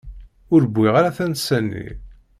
Ur wwiɣ ara tansa-nni.